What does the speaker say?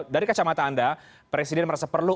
dari kacamata anda presiden merasa perlu